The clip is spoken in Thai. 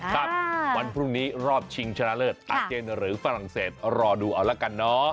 วันพรุ่งนี้รอบชิงชนะเลิศอาเจนหรือฝรั่งเศสรอดูเอาละกันเนาะ